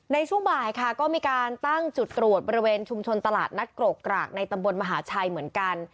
ในช่วงบ่ายค่ะก็มีการตั้งจุดตรวจบริเวณชุมชนตลาดนัดกรกกรากในตำบลมหาชัยเหมือนกัน